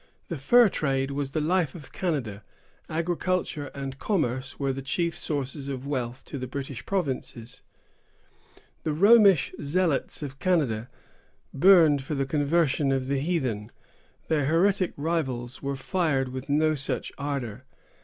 The fur trade was the life of Canada; agriculture and commerce were the chief sources of wealth to the British provinces. The Romish zealots of Canada burned for the conversion of the heathen; their heretic rivals were fired with no such ardor.